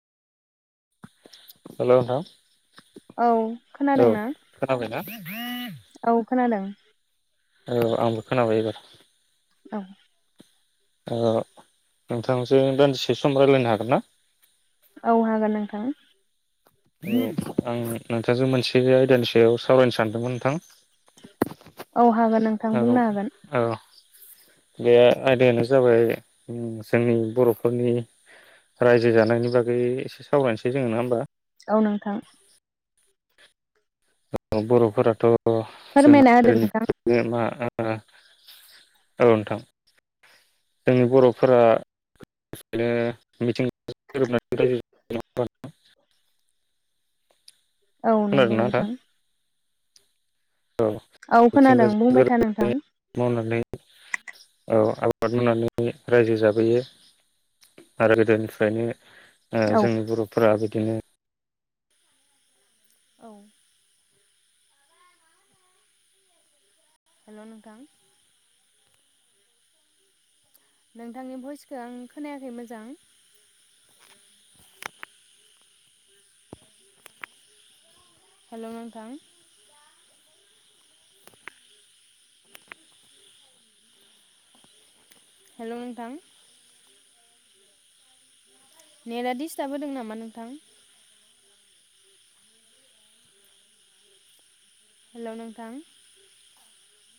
हेल' नीं औ खोनादों ना खोनाबायना औ खोनादों। औ आंबी खीनाबाय ऐबार औ। ओ नोंथांजों दान्दिसे सम रायलायनो हागोन ना? औ हागोन नोंथां। उम आं नोंथांजों मोनसे आयदानि सायाव सावरायनो सानदोंमोन नोंथां। औ। हागोन नोंथां औ बुंनो हागोन। औ बे आयदायानो जाबाय नों जोंनि बर'फोरनि रायजो जानायनि बागै एसे सावरायनोसै जोङो नङा होमबा? औ नोंथां बर'फोराथ' अ फोरमायना होदो नोंथां जोंहा [unintelligible] मा [inaudible] औ नोंथां जोंनि बर'फोरानो बांसिनानी मिथिंगा जीं गोरोबना थायी औ नंगौ नोंथां औ औ खोनादों मिथिंगाजों बुंबाय था नोंथां गोरोबनानै मावनानै औ आबाद मावनानै रायजो जाबोयो आरो गोदोनिफ्रायनो औ जोंनि बर' फोरा बिदिनो-' औ। हेल' नोंथां नोंथांनि भइसखौ आं खोनायाखै मोजां। हेल' नोंथां हेल' नोंथां नेटआ डिस्टाब होदों नामा नोंथां हेल' नोंथां